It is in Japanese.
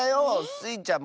スイちゃん